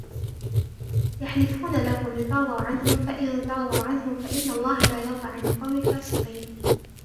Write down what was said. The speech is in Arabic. يحلفون لكم لترضوا عنهم فإن ترضوا عنهم فإن الله لا يرضى عن القوم الفاسقين